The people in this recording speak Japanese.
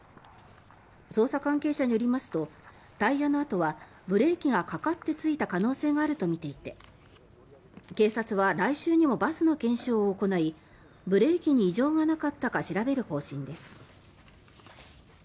捜査関係者によりますとタイヤの跡はブレーキがかかってついた可能性があるとみていて警察は来週にもバスの検証を行いブレーキに異常がなかったか調べる方針です。